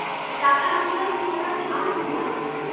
დაფარულია მთლიანად თეთრი ბუმბულით.